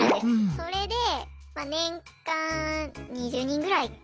それで年間２０人ぐらいは。